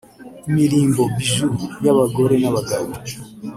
imirimbo (Bijoux) y’abagore n’abagabo